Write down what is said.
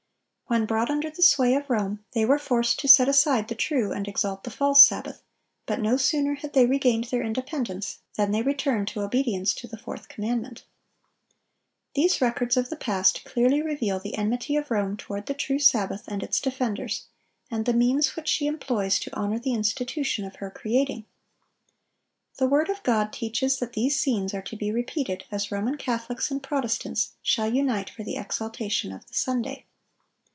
When brought under the sway of Rome, they were forced to set aside the true and exalt the false sabbath; but no sooner had they regained their independence than they returned to obedience to the fourth commandment.(1016) These records of the past clearly reveal the enmity of Rome toward the true Sabbath and its defenders, and the means which she employs to honor the institution of her creating. The word of God teaches that these scenes are to be repeated as Roman Catholics and Protestants shall unite for the exaltation of the Sunday.